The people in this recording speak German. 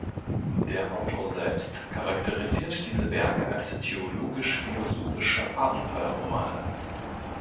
Der Autor selbst charakterisiert diese Werke als „theologisch-philosophische Abenteuerromane“.